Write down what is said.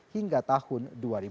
hingga tahun dua ribu dua puluh